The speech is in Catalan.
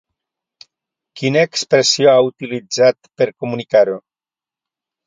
Quina expressió ha utilitzat per comunicar-ho?